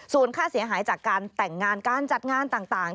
ส่วนค่าเสียหายจากการแต่งงานการจัดงานต่าง